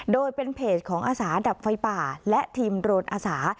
โดยเป็นเพจของอาสาดับไฟป่าและทีมโรนอาสา